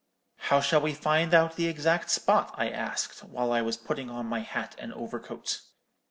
"'How shall we find out the exact spot?' I asked, while I was putting on my hat and overcoat.